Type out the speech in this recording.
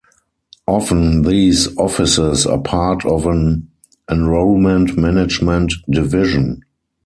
Often these offices are part of an enrollment management division.